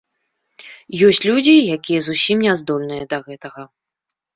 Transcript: Ёсць людзі, якія зусім не здольныя да гэтага.